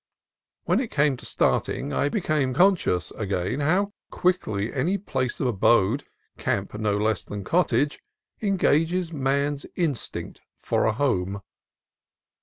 When it came to starting, I became conscious again how quickly any place of abode, camp no less than cottage, engages man's instinct for a home.